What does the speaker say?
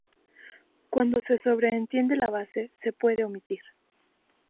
Cuando se sobreentiende la base, se puede omitir.